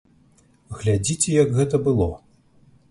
Глядзіце, як гэта было!